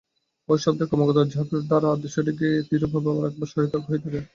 ঐ শব্দের ক্রমাগত জপের দ্বারা আদর্শটিকে মনে দৃঢ়ভাবে রাখবার সহায়তা হয়ে থাকে।